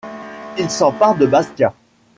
Il s'empare de Bastia.